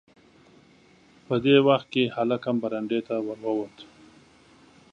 په دې وخت کې هلک هم برنډې ته ور ووت.